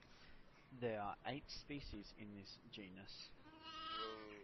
There are eight species in this genus.